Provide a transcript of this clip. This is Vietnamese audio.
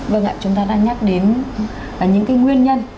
vâng ạ chúng ta đang nhắc đến những cái nguyên nhân